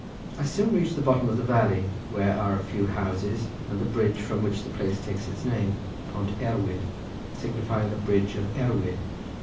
I soon reached the bottom of the valley, where are a few houses, and the bridge from which the place takes its name, Pont Erwyd signifying the Bridge of Erwyd.